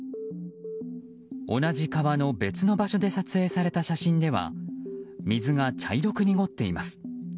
同じ川の別の場所で撮影された写真では水が茶色く濁っています。